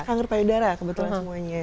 kangkar payudara kebetulan semuanya